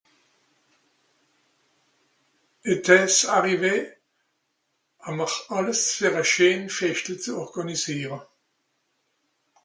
étais-ce arrivé hànnr àlles fer à scheen festel zu organisiere